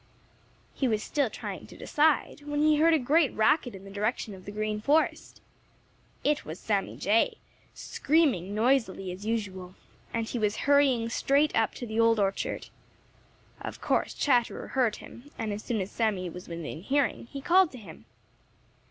He was still trying to decide, when he heard a great racket in the direction of the Green Forest. It was Sammy Jay, screaming noisily as usual, and he was hurrying straight up to the Old Orchard. Of course Chatterer heard him, and as soon as Sammy was within hearing, he called to him.